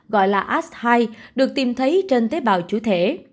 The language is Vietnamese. gọi là s hai được tìm thấy trên tế bào chủ thể